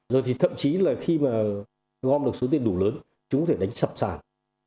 rồi thì thậm chí là khi mà gom được số tiền đủ lớn chúng có thể đánh sập sản